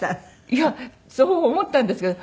いやそう思ったんですけど。